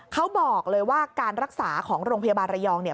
เขาบอกเลยว่าการรักษาของโรงพยาบาลระยองเนี่ย